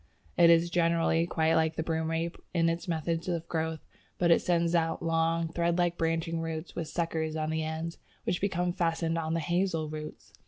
It is, generally, quite like the Broomrape in its method of growth, but it sends out long thread like branching roots with suckers on the ends, which become fastened on the Hazel roots.